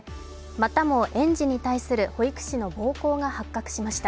またも園児に対する保育士の暴行が発覚しました。